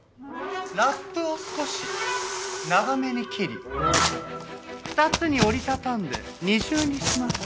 ラップを少し長めに切り２つに折り畳んで２重にします。